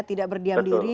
tidak berdiam diri